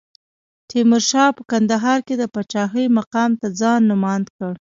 تیمورشاه په کندهار کې د پاچاهۍ مقام ته ځان نوماند کړ.